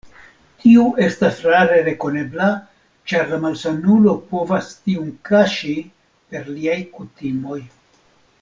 Tiu estas rare rekonebla, ĉar la malsanulo povas tiun kaŝi per liaj kutimoj.